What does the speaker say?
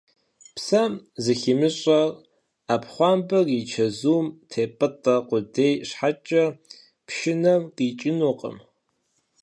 Псэм зыхимыщӀэр, Ӏэпхъуамбэр и чэзум теппӀытӀэ къудей щхьэкӀэ, пшынэм къикӀынукъым.